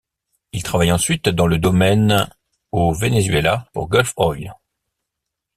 Il travaille ensuite dans le domaine au Venezuela pour Gulf Oil.